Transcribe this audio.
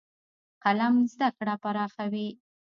قلم زده کړه پراخوي.